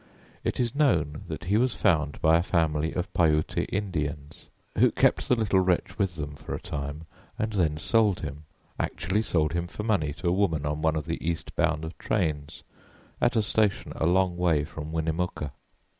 It is known that he was found by a family of Piute Indians, who kept the little wretch with them for a time and then sold him actually sold him for money to a woman on one of the east bound trains, at a station a long way from Winnemucca.